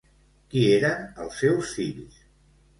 Qui eren els seus fills?